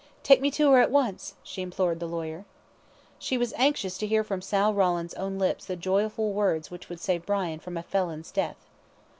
"Take me to her at once," she implored the lawyer. She was anxious to hear from Sal Rawlins' own lips the joyful words which would save Brian from a felon's death.